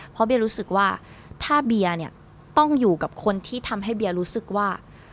เพราะเบียรู้สึกว่าถ้าเบียร์เนี่ยต้องอยู่กับคนที่ทำให้เบียร์รู้สึกว่า